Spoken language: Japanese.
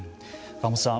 川本さん